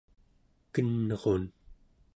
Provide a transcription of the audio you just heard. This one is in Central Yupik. kenrun